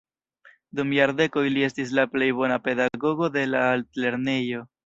Dum jardekoj li estis la plej bona pedagogo de la altlernejo.